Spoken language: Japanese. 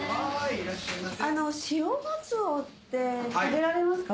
潮かつおって食べられますか？